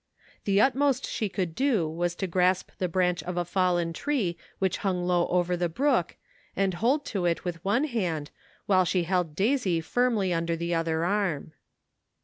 The utmost she could do was to grasp the branch of a fallen tree which hung low over the brook, and hold to it with one hand, while she held Daisy firmly under the other arm.